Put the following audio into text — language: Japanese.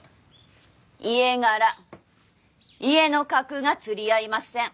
家柄家の格が釣り合いません。